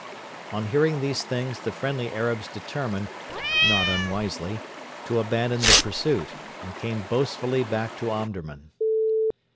On hearing these things the friendly Arabs determined not unwisely to abandon the pursuit, and came boastfully back to Omdurman.